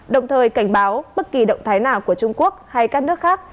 đồng thời cảnh báo bất kỳ động thái nào của trung quốc hay các nước khác